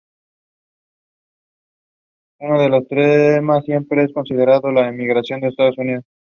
Uno de los temas que siempre considera es la emigración a Estados Unidos.